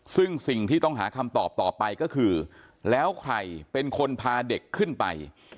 ซึ่งสิ่งที่ต้องหาคำตอบต่อไปก็คือแล้วใครเป็นคนพาเด็กขึ้นไป